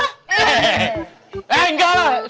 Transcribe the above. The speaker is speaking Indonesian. eh enggak lah